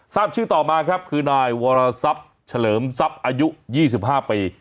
ทราบชื่อต่อมาครับคือนายวรทรัพย์เฉลิมทรัพย์อายุ๒๕ปี